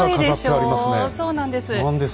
そうなんです。